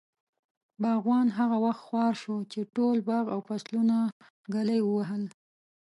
باغوان هغه وخت خوار شو، چې ټول باغ او فصلونه ږلۍ ووهل.